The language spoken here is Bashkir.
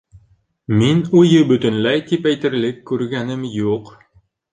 Мин уйы бөтөнләй тип әйтерлек күргәнем юҡ.